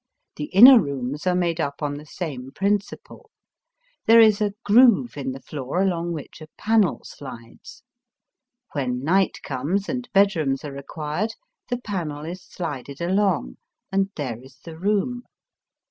The inner rooms are made up on the same principle. There is a groove in the floor along which a panel shdes. When night comes and bedrooms are required, the panel is slided along, and there is the room.